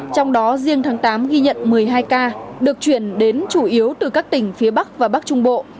trong đó riêng tháng tám ghi nhận một mươi hai ca được chuyển đến chủ yếu từ các tỉnh phía bắc và bắc trung bộ